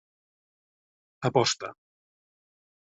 Aposta.